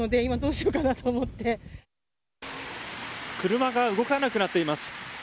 車が動かなくなっています。